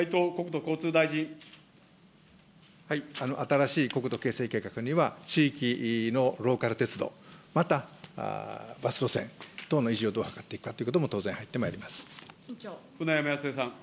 新しい国土形成計画には、地域のローカル鉄道、また、バス路線等の維持をどうやって図っていくかということも当然入っ舟山康江さん。